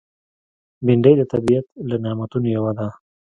بېنډۍ د طبیعت له نعمتونو یوه ده